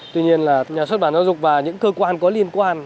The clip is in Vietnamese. tuy nhiên là nhà xuất bản giáo dục và những cơ quan có liên quan